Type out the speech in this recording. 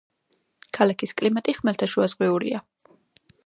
ქალაქის კლიმატი ხმელთაშუაზღვიურია.